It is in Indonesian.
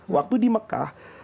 waktu di mekah